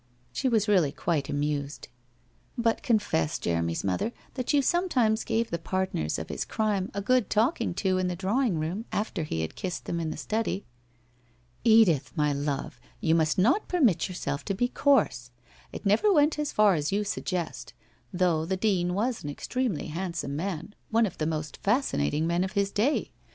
She was really quite amused. ' But, confess, Jeremy's mother, that you sometimes gave the partners of his crime a good talking to in the drawing room, after he had kissed them in the study.' ' Edith, my love, you must not permit yourself to be coarse. It never went as far as you suggest, though the Dean was an extremely handsome man, one of the most fascinating men of his day.